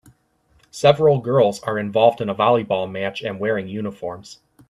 Several girls are involved in a volleyball match and wearing uniforms.